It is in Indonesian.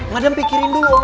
madem pikirin dulu